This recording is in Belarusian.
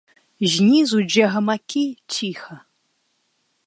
Знізу, дзе гамакі, ціха.